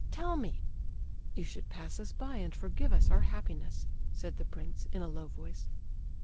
Tell me!" "You should pass us by and forgive us our happiness," said the prince in a low voice.